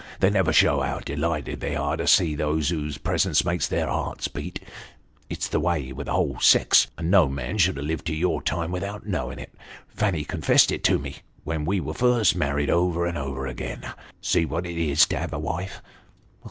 They never show how delighted they are to see those whose presence makes their hearts beat. It's the way with the whole sex, and no man should have lived to your time of life without knowing it. Fanny confessed it to me, when we were first married over and over again see what it is to have a wife."